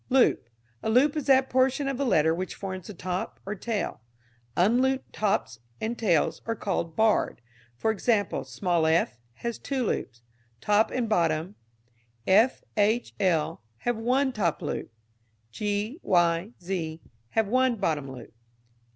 Loop. A loop is that portion of a letter which forms the top or tail. Unlooped tops and tails are called "barred." For example, small f has two loops, top and bottom; f, h, l have one top loop; g, y, z have one bottom loop.